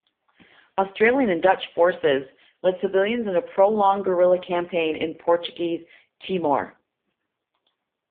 Australian and Dutch forces led civilians in a prolonged guerilla campaign in Portuguese Timor.